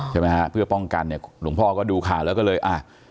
ใช่ไหมฮะเพื่อป้องกันเนี่ยหลวงพ่อก็ดูข่าวแล้วก็เลยอ่ะ